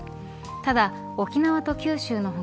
ただ、沖縄と九州の他